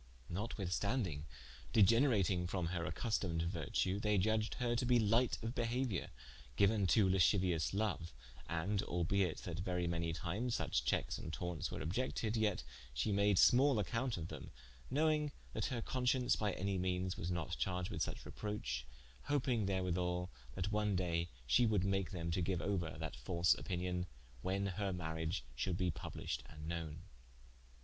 Notwithstanding, degenerating from her accustomed vertue, they iudged her to be light of behauiour, giuen to lasciuious loue: and albeit that verie many times, such checkes and tauntes were obiected, yet she made smal accompte of them, knowing that her conscience by anye meanes was not charged with such reproch: hoping therwithall that one daye she would make them to give ouer that false opinion when her mariage should be published and knowen.